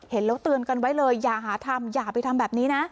เห็นแล้วเตือนกันไว้เลยอย่าหาทำอย่าไปทำแบบนี้นะ